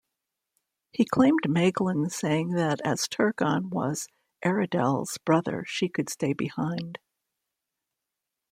He claimed Maeglin saying that as Turgon was Aredhel's brother, she could stay behind.